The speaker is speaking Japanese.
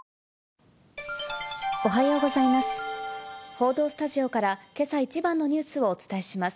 報道スタジオからけさ一番のニュースをお伝えします。